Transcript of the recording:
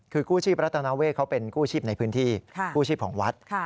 คือกู้ชีพรัฐนาเวศเขาเป็นกู้ชีพในพื้นที่กู้ชีพของวัด